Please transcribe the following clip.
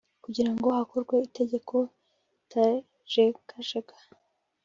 kugira ngo hakorwe itegeko ritajegajega